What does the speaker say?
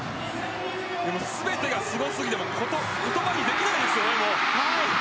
全てがすごすぎて言葉にできないですよね。